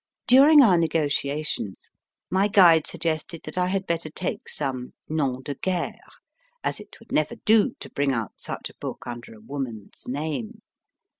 During our negotiations, my guide suggested that I 254 MY FIRST BOOK had better take some nom de guerre, as it would never do to bring out such a book under a woman s name.